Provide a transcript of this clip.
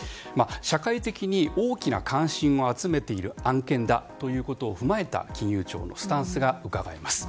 社会的に大きな関心を集めている案件だということを踏まえた金融庁のスタンスがうかがえます。